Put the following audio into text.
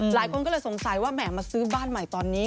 หลายคนก็เลยสงสัยว่าแหมมาซื้อบ้านใหม่ตอนนี้